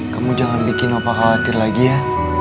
kamu jangan bikin apa khawatir lagi ya